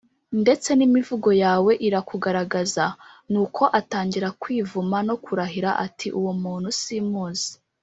ndetse n imvugo yawe irakugaragaza. Nuko atangira kwivuma no kurahira ati uwo muntu simuzi